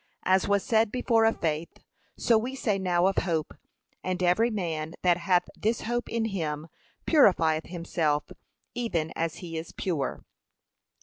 As was said before of faith, so we say now of hope. 'And every man that hath this hope in him purifieth himself, even as he is pure.'